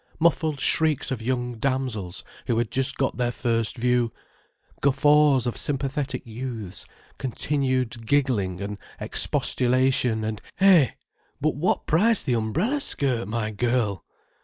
Muffled shrieks of young damsels who had just got their first view, guffaws of sympathetic youths, continued giggling and expostulation and "Eh, but what price the umbrella skirt, my girl!"